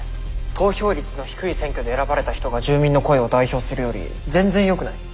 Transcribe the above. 投票率の低い選挙で選ばれた人が住民の声を代表するより全然よくない？